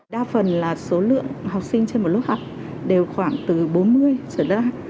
đa phần là số lượng học sinh trên một lớp học đều khoảng từ bốn mươi trở lên